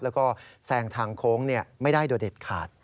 แล้วก็แซงทางโค้งไม่ได้โดยเด็ดขาด